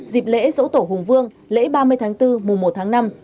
dịp lễ dỗ tổ hùng vương lễ ba mươi tháng bốn mùa một tháng năm